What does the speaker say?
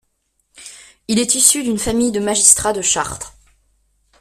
Il est issu d'une famille de magistrats de Chartres.